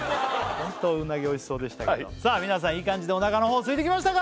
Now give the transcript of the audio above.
ホントうなぎ美味しそうでしたけどさあ皆さんいい感じでお腹のほうすいてきましたか？